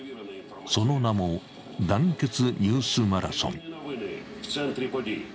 その名も「団結ニュースマラソン」。